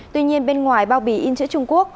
tuy nhiên bên ngoài bao bì in chữ trung quốc